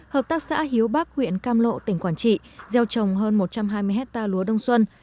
hợp tác xã hiếu bắc huyện cam lộ tỉnh quảng trị gieo trồng hơn một trăm hai mươi hectare lúa đông xuân